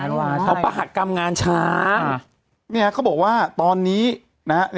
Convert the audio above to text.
น่ะว่าใช่มหากรรมงานช้างอ่าเนี่ยเขาบอกว่าตอนนี้นะฮะ